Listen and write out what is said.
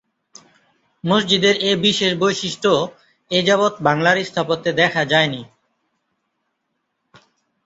মসজিদের এ বিশেষ বৈশিষ্ট্য এ যাবৎ বাংলার স্থাপত্যে দেখা যায় নি।